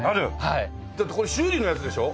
だってこれ修理のやつでしょ？